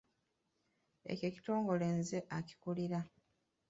Ekyo ekitongole nze akikulira.